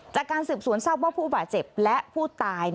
จากการสืบสวนทราบว่าผู้บาดเจ็บและผู้ตาย